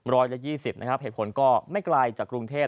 ร้อยละ๒๐นะครับเหตุผลก็ไม่ไกลจากกรุงเทพ